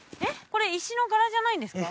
これ石の柄じゃないんですか？